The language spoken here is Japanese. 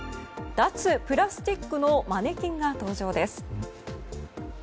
脱プラスチックのマネキンが登場です。